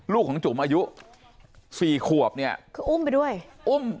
ลูกของจุ๋มอายุสี่ขวบเนี่ยคืออุ้มไปด้วยอุ้ม